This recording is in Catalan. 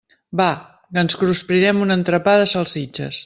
Va, que ens cruspirem un entrepà de salsitxes.